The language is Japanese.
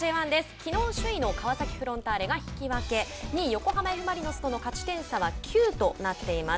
きのう首位の川崎フロンターレが引き分け２位横浜Ｆ・マリノスとの勝ち点差は９となっています。